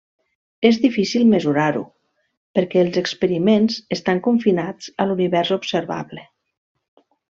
És difícil mesurar-ho, perquè els experiments estan confinats a l'Univers observable.